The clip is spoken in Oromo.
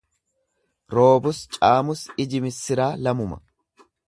Roobus caamus iji missiraa lamuma.